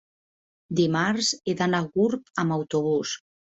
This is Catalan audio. dimarts he d'anar a Gurb amb autobús.